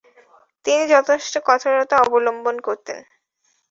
তিনি যথেষ্ট কঠোরতা অবলম্বন করতেন।